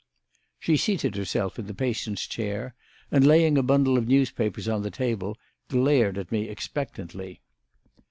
She seated herself in the patients' chair and, laying a bundle of newspapers on the table, glared at me expectantly.